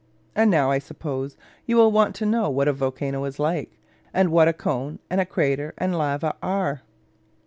And now, I suppose, you will want to know what a volcano is like, and what a cone, and a crater, and lava are?